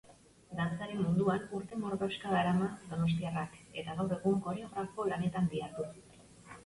Dantzaren munduan urte mordoska darama donostiarrak eta gaur egun koreografo lanetan dihardu.